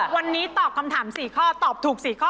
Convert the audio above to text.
วันนี้ตอบคำถาม๔ข้อตอบถูก๔ข้อ